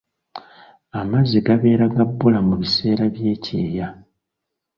Amazzi gabeera ga bbula mu biseera by'ekyeya.